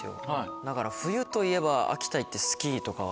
だから冬といえば秋田行ってスキーとかは。